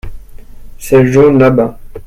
Ces jaunes là-bas.